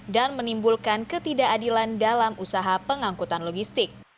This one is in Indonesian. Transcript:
dan menimbulkan ketidakadilan dalam usaha pengangkutan logistik